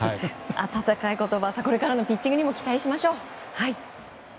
温かい言葉、これからのピッチングにも期待しましょう。